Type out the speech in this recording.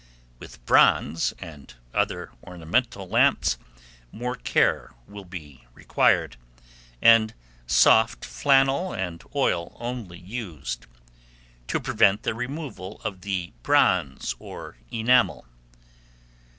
With bronze, and other ornamental lamps, more care will be required, and soft flannel and oil only used, to prevent the removal of the bronze or enamel.